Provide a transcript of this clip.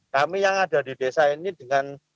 kami yang ada di desa ini dengan